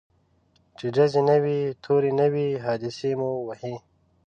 چي ډزي نه وي توری نه وي حادثې مو وهي